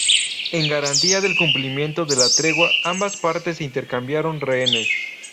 En garantía del cumplimiento de la tregua ambas partes se intercambiaron rehenes.